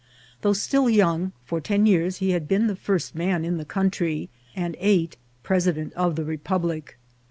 Though still young, for ten years he had been the first man in the country, and eight president of the Republic.